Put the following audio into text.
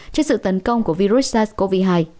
trên sự tấn công của virus sars cov hai